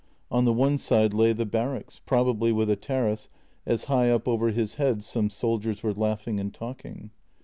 On the one side lay the barracks, probably with a terrace, as high up over his head some soldiers were laughing and talking.